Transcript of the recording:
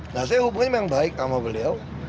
nah saya hubungi memang baik sama beliau